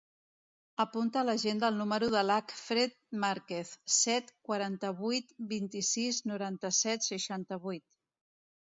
Apunta a l'agenda el número de l'Acfred Marquez: set, quaranta-vuit, vint-i-sis, noranta-set, seixanta-vuit.